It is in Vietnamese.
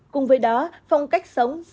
cùng với đó phong cách sống sang ngôi